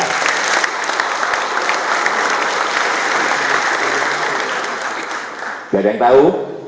enggak ada yang tahu